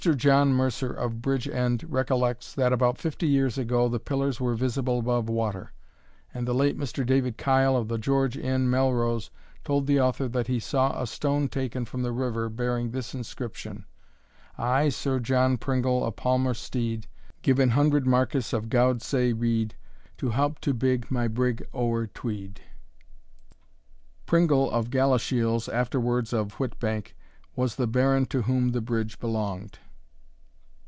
John Mercer of Bridge end recollects, that about fifty years ago the pillars were visible above water; and the late Mr. David Kyle, of the George Inn, Melrose, told the author that he saw a stone taken from the river bearing this inscription: "I, Sir John Pringle of Palmer stede, Give an hundred markis of gowd sae reid, To help to bigg my brigg ower Tweed." Pringle of Galashiels, afterwards of Whytbank, was the Baron to whom the bridge belonged.